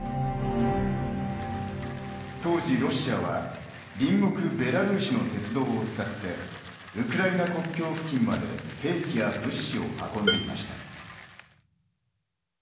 当時ロシアは隣国ベラルーシの鉄道を使ってウクライナ国境付近まで兵器や物資を運んでいました。